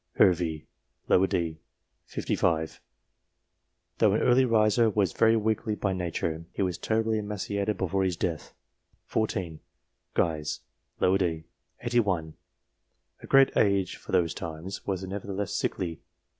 Hervey, d. set. 55, though an early riser, was very weakly by nature ; he was terribly emaciated before his death. 14. Guise, d set. 81, a great age for those times, was nevertheless sickly.